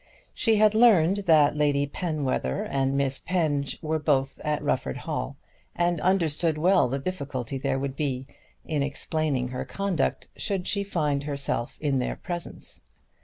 She had learned that Lady Penwether and Miss Penge were both at Rufford Hall, and understood well the difficulty there would be in explaining her conduct should she find herself in their presence.